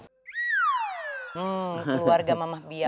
keluarga mamah biar